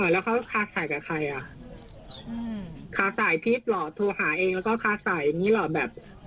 แล้วเขาค้าสายกับใครอะค้าสายพีทหรอโทรหาเองแล้วก็ค้าสายนี่หรอแบบ